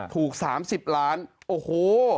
ถูก๓๐ล้านโอ้โห